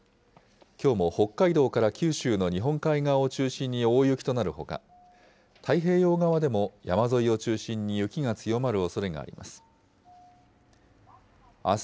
きょうも北海道から九州の日本海側を中心に大雪となるほか、太平洋側でも山沿いを中心に雪が強まるおそれがあります。